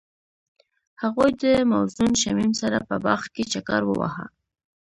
هغوی د موزون شمیم سره په باغ کې چکر وواهه.